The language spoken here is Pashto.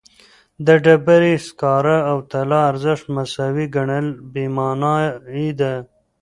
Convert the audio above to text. د ډبرې سکاره او طلا ارزښت مساوي ګڼل بېمعنایي ده.